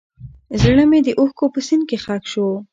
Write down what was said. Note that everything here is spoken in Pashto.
زړه مې د اوښکو په سیند کې ښخ شو.